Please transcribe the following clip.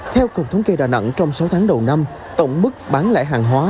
theo cục thống kê đà nẵng trong sáu tháng đầu năm tổng mức bán lẻ hàng hóa